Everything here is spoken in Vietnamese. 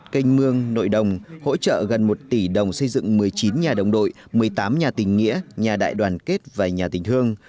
canh mương nội đồng hỗ trợ gần một tỷ đồng xây dựng một mươi chín nhà đồng đội một mươi tám nhà tình nghĩa nhà đại đoàn kết và nhà tình thương